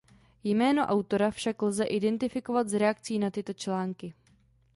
Jméno autora však lze identifikovat z reakcí na tyto články.